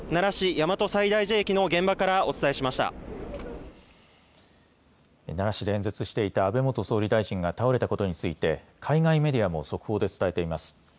奈良市で演説していた安倍元総理大臣が倒れたことについて海外メディアも速報で伝えています。